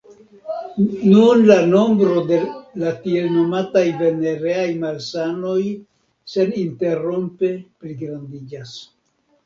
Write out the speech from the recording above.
Nun la nombro de la tiel nomataj venereaj malsanoj seninterrompe pligrandiĝas.